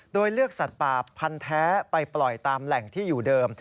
โดยเลือกสัตว์ป่าพันแท้ไปปล่อยตามแหล่งที่อยู่เดิม